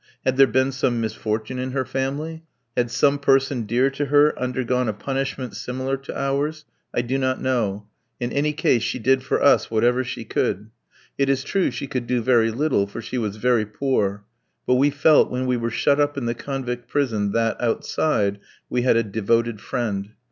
Had there been some misfortune in her family? Had some person dear to her undergone a punishment similar to ours? I do not know. In any case, she did for us whatever she could. It is true she could do very little, for she was very poor. But we felt when we were shut up in the convict prison that, outside, we had a devoted friend.